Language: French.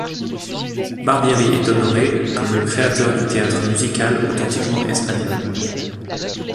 Barbieri est honoré comme le créateur du théâtre musical authentiquement espagnol.